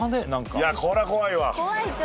いやこりゃ怖いわ。